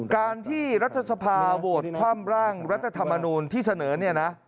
การที่รัฐสภาโหวตคว่ำร่างรัฐธรรมนูลที่เสนอเนี่ยนะ